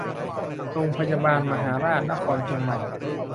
โรงพยาบาลมหาราชนครเชียงใหม่